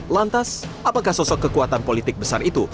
lantas apakah sosok kekuatan politik besar itu